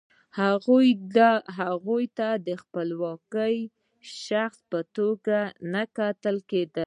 هغې ته د خپلواک شخص په توګه نه کتل کیږي.